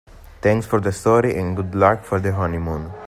Thanks for the story and good luck on your honeymoon.